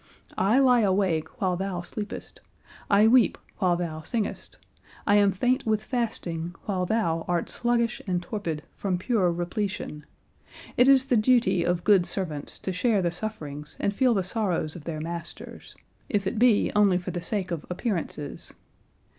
I lie awake while thou sleepest, I weep while thou singest, I am faint with fasting while thou art sluggish and torpid from pure repletion. It is the duty of good servants to share the sufferings and feel the sorrows of their masters, if it be only for the sake of appearances.